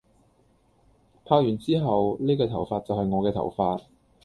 拍完之後，呢個頭髮就係我嘅頭髮